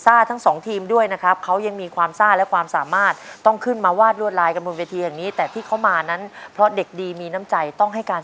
สามแนวแจ๋วจริงสามแนวแจ๋วจริงสามแนวแจ๋วจริงสามแนวแจ๋วจริงสามแนวแจ๋วจริงสามแนวแจ๋วจริง